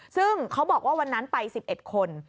ซึ่งเขาบอกว่าวันนั้นไป๑๑คน